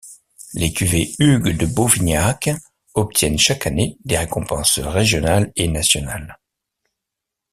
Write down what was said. Les cuvées Hugues de Beauvignac obtiennent chaque année des récompenses régionales et nationales.